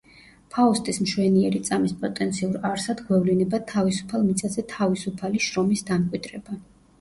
ფაუსტის „მშვენიერი წამის“ პოტენციურ არსად გვევლინება „თავისუფალ მიწაზე თავისუფალი შრომის“ დამკვიდრება.